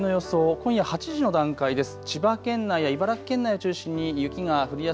今夜８時の段階です。